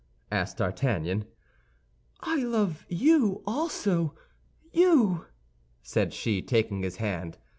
asked D'Artagnan. "I love you also, you!" said she, taking his hand.